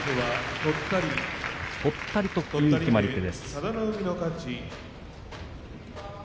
とったりという決まり手です。